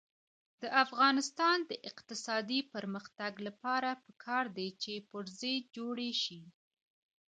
د افغانستان د اقتصادي پرمختګ لپاره پکار ده چې پرزې جوړې شي.